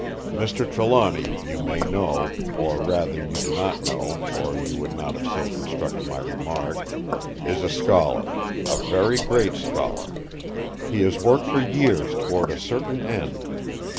Mr. Trelawny, you may know—or rather you do not know or you would not have so construed my remark—is a scholar, a very great scholar. He has worked for years toward a certain end.